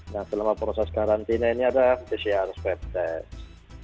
nah selama proses karantina ini ada pcr swab test